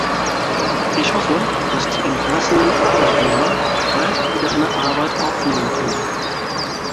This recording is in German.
Ich hoffe, dass die entlassenen Arbeitnehmer bald wieder eine Arbeit aufnehmen können.